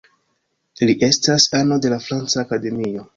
Li estas ano de la Franca Akademio.